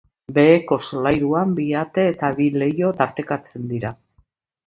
Beheko solairuan, bi ate eta bi leiho tartekatzen dira.